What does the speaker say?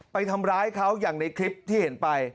ไปทำร้ายเขาอย่างในคลิปที่เห็นไป